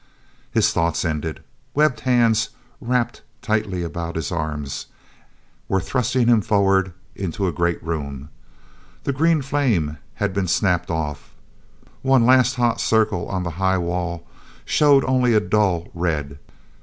is thoughts ended. Webbed hands, wrapped tightly about his arms, were thrusting him forward into a great room. The green flame had been snapped off. One last hot circle on the high wall showed only a dull red.